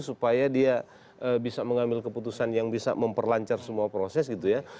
supaya dia bisa mengambil keputusan yang bisa memperlancar semua proses gitu ya